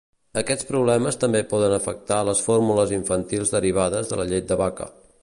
Aquests problemes també poden afectar les fórmules infantils derivades de la llet de vaca.